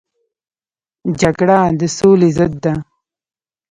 جګړه د سولې ضد ده